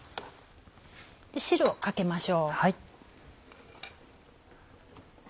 汁をかけましょう。